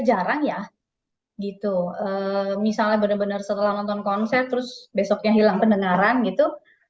jarang ya gitu misalnya bener bener setelah nonton konser terus besoknya hilang pendengaran gitu